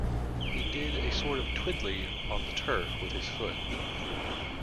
He did a sort of twiddly on the turf with his foot.